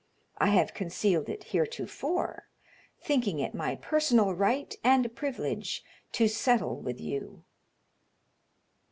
I have concealed it heretofore, thinking it my personal right and privilege to settle with you."